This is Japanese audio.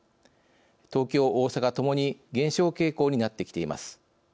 東京、大阪ともに減少傾向になってきています。